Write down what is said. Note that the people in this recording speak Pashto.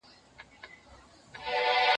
زه قاتل سوم زه د غلو سپه سالار سوم